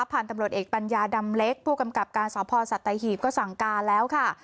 ผ่านตำรวจเอกปัญญาดำเล็กผู้กำกับการสพสัตหีบก็สั่งการแล้วค่ะ